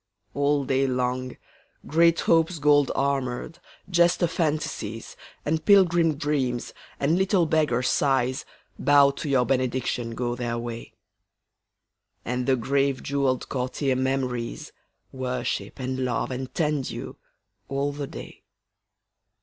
All day long Great Hopes gold armoured, jester Fantasies, And pilgrim Dreams, and little beggar Sighs, Bow to your benediction, go their way. And the grave jewelled courtier Memories Worship and love and tend you, all the day.